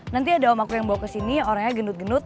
nanti ada om aku yang bawa ke sini orangnya genut genut